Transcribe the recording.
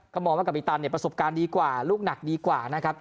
ก็มองว่ากาบิตันเนี่ยประสบการณ์ดีกว่าลูกหนักดีกว่านะครับ